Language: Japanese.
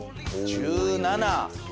１７！